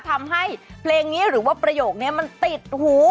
ทำให้เพลงนี้หรือว่าประโยคนี้มันติดหู